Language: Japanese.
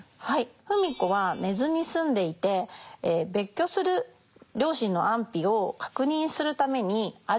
芙美子は根津に住んでいて別居する両親の安否を確認するために歩いて新宿に向かいます。